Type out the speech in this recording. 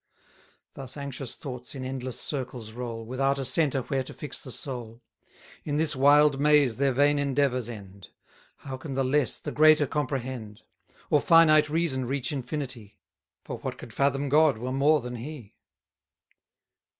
Thus anxious thoughts in endless circles roll, Without a centre where to fix the soul: In this wild maze their vain endeavours end: How can the less the greater comprehend? Or finite reason reach Infinity? 40 For what could fathom God were more than He.